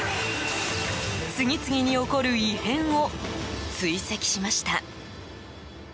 次々に起こる異変を追跡しました。